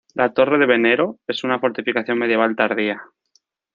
La Torre de Venero es una fortificación medieval tardía.